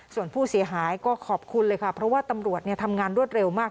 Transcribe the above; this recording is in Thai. ส่วนผู้เสียหายก็ขอบคุณเลยค่ะเพราะว่าตำรวจทำงานรวดเร็วมาก